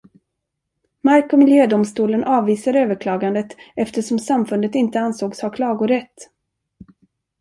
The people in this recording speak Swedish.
Mark- och miljödomstolen avvisade överklagandet eftersom samfundet inte ansågs ha klagorätt.